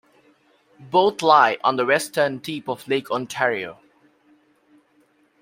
Both lie on the western tip of Lake Ontario.